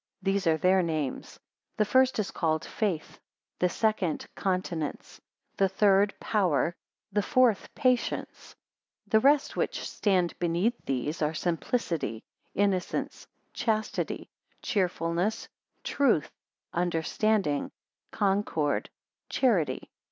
These are their names: 142 The first is called Faith; the second Continence; the third Power; the fourth Patience; the rest which stand beneath these are, Simplicity, Innocence, Chastity, Cheerfulness, Truth, Understanding, Concord, Charity.